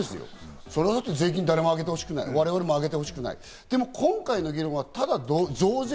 だって税金、誰も上げてほしくない、我々も上げてほしくない。